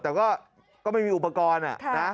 แต่ก็ไม่มีอุปกรณ์นะ